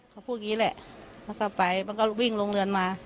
เขาพูดอย่างนี้แหละแล้วก็ไปมันก็วิ่งลงเรือนมา